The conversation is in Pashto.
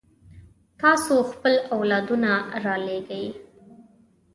تاسو خپل اولادونه رالېږئ.